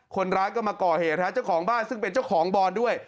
คนร้ายก็มาก่อเหตุฮะเจ้าของบ้านซึ่งเป็นเจ้าของบอนด้วย